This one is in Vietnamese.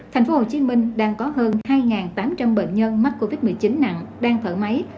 thành phố hồ chí minh đang có hơn hai tám trăm linh bệnh nhân mắc covid một mươi chín nặng đang thở máy